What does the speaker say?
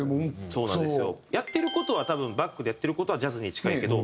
そうなんですよ。